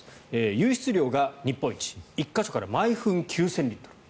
湧出量が日本一１か所から毎分９０００リットル。